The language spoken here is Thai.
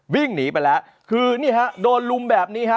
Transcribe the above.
วิ่งหนีไปแล้วคือนี่ฮะโดนลุมแบบนี้ฮะ